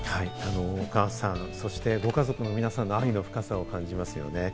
お母さん、そしてご家族の皆さんの深さを感じますよね。